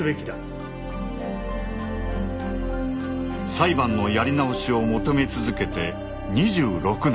裁判のやり直しを求め続けて２６年。